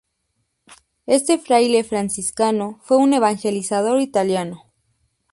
Este fraile franciscano fue un evangelizador italiano.